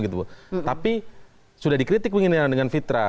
tapi sudah dikritik dengan fitra